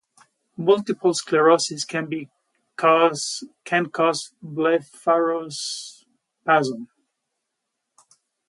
Multiple sclerosis can cause blepharospasm.